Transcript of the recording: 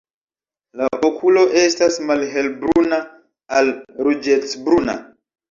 La okulo estas malhelbruna al ruĝecbruna.